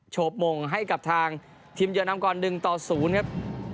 โฉบมงให้กับทางทีมเยียนนำก่อนดึงต่อศูนย์นะครับ